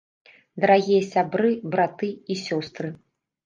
Дарагія сябры, браты і сёстры!